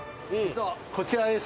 こちらです